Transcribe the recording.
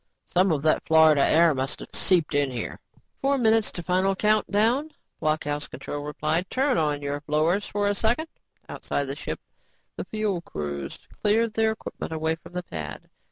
"Some of that Florida air must have seeped in here." "Four minutes to final countdown," blockhouse control replied. "Turn on your blowers for a second." Outside the ship, the fuel crews cleared their equipment away from the pad.